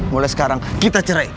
mulai sekarang kita cerai